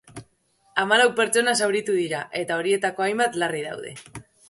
Hamalau pertsona zauritu dira, eta horietako hainbat larri daude.